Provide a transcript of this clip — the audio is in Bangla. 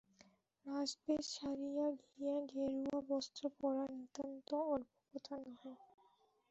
রাজবেশ ছাড়িয়া দিয়া গেরুয়া বস্ত্র পরা নিতান্ত অল্প কথা নহে।